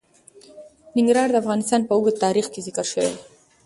ننګرهار د افغانستان په اوږده تاریخ کې ذکر شوی دی.